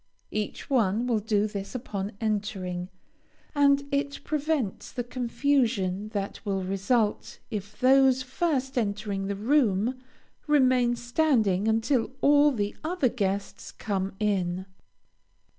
Each one will do this upon entering, and it prevents the confusion that will result if those first entering the room, remain standing until all the other guests come in.